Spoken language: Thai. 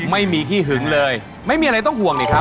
ไม่มีขี้หึงเลยไม่มีอะไรต้องห่วงนี่ครับ